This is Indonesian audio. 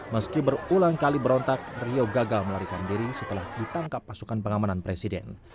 meski berulang kali berontak rio gagal melarikan diri setelah ditangkap pasukan pengamanan presiden